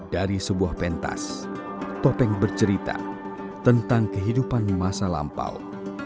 dari sebuah pentas topeng bercerita tentang kehidupan masa lampau